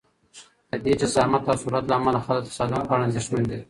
د دې جسامت او سرعت له امله خلک د تصادم په اړه اندېښمن دي.